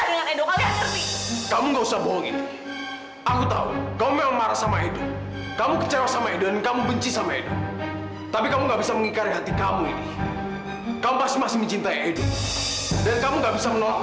ini cukup ini kamu jangan mengindah kamila sekali lagi kamu mengindah kamila aku akan tampal kamu